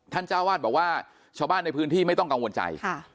เจ้าวาดบอกว่าชาวบ้านในพื้นที่ไม่ต้องกังวลใจ